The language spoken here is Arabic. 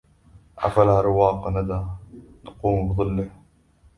أفلا رواق ندى نقوم بظله